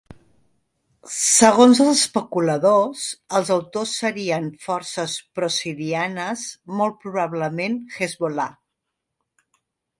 Segons els especuladors, els autors serien forces prosirianes, molt probablement Hesbol·là.